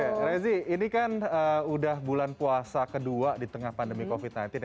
oke rezi ini kan udah bulan puasa kedua di tengah pandemi covid sembilan belas